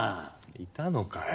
いたのかよ。